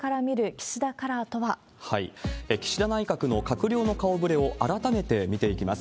岸田内閣の閣僚の顔ぶれを改めて見ていきます。